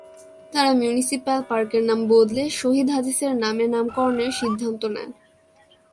তারা মিউনিসিপ্যাল পার্কের নাম বদলে শহীদ হাদিসের নামে নামকরণের সিদ্ধান্ত নেন।